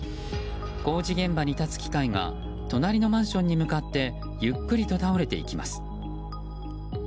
工事現場に立つ機械が隣のマンションに向かってゆっくりと倒れていきます。